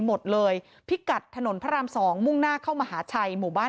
หมดเลยพิกัดถนนพระรามสองมุ่งหน้าเข้ามหาชัยหมู่บ้าน